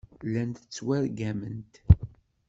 Llant ttwargament.